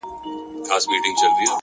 هڅاند زړونه ژر نه ماتیږي!